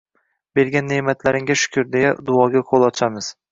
“Bergan ne’matlaringga shukr!” deya duoga qo‘l ochamiz.